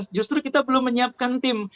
justru kita belum menyiapkan tim